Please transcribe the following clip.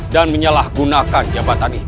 dan menyelahgunakan jabatan kita